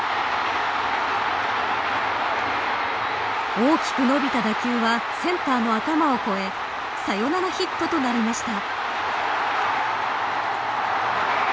大きく伸びた打球はセンターの頭を越えサヨナラヒットとなりました。